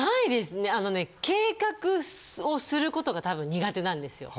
あのね計画をすることが多分苦手なんですよ。